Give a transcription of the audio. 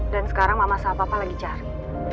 sekarang mama sama papa lagi cari